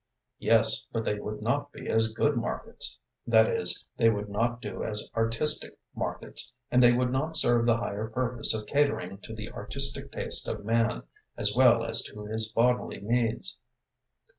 "Yes, but they would not be as good markets. That is, they would not do as artistic markets, and they would not serve the higher purpose of catering to the artistic taste of man, as well as to his bodily needs."